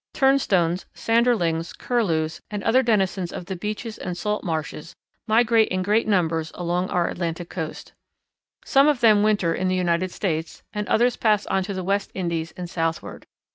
_ Turnstones, Sanderlings, Curlews, and other denizens of the beaches and salt marshes migrate in great numbers along our Atlantic Coast. Some of them winter in the United States, and others pass on to the West Indies and southward.